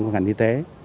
của ngành y tế